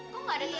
bagus banget nia